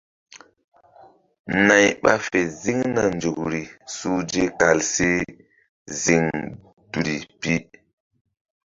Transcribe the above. Nay ɓa fe ziŋna nzukri suhze kal si ziŋ duli pi.